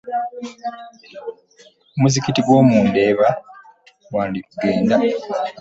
Omuzikiti gw'omu Ndeeba gwandirugenda.